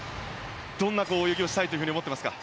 どんな泳ぎをしたいと思っていますか？